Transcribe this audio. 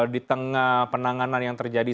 di tengah penanganan yang terjadi